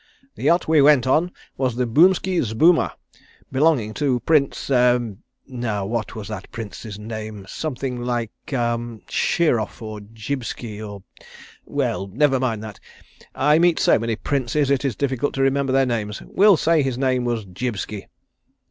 The yacht we went on was the Boomski Zboomah, belonging to Prince er now what was that Prince's name! Something like er Sheeroff or Jibski or er well, never mind that. I meet so many princes it is difficult to remember their names. We'll say his name was Jibski."